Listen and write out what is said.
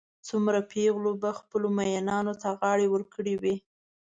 څومره پېغلو به خپلو مئینانو ته غاړې ورکړې وي.